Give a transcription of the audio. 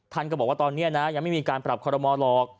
ท่านก็บอกว่าตอนนี้นะยังไม่มีการปรับคอรมอลหรอก